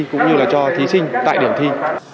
cũng như là cho thí sinh tại điểm thi